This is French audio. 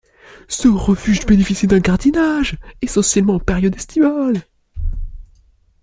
Ce refuge bénéficie d'un gardiennage, essentiellement en période estivale.